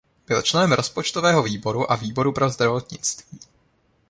Byl členem rozpočtového výboru a výboru pro zdravotnictví.